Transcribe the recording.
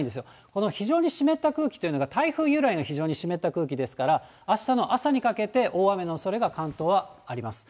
この非常に湿った空気というのが、台風由来の非常に湿った空気ですから、あしたの朝にかけて、大雨のおそれが関東はあります。